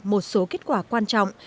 một số kết quả quan trọng